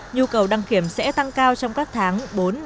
nhu cầu đăng kiểm sẽ tăng cao trong các tháng bốn năm sáu bảy